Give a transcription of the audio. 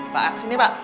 pak sini pak